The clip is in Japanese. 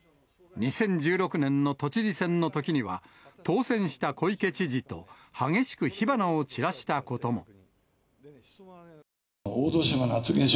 ２０１６年の都知事選のときには、当選した小池知事と激しく火花を散らしたことも。